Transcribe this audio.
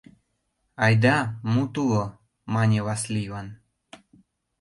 — Айда, мут уло, — мане Васлийлан.